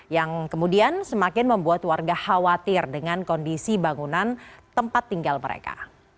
yang kemudian semakin membuat warga khawatir dengan kondisi bangunan tempat tinggal mereka